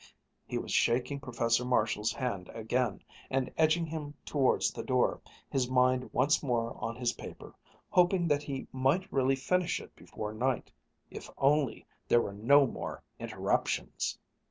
He was shaking Professor Marshall's hand again and edging him towards the door, his mind once more on his paper, hoping that he might really finish it before night if only there were no more interruptions!